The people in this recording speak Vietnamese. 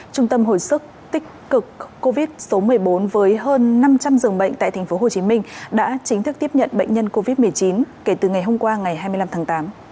trung tâm hồi sức tích cực covid một mươi bốn với hơn năm trăm linh dường bệnh tại tp hcm đã chính thức tiếp nhận bệnh nhân covid một mươi chín kể từ ngày hôm qua ngày hai mươi năm tháng tám